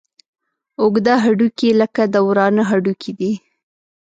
اوږده هډوکي لکه د ورانه هډوکي دي.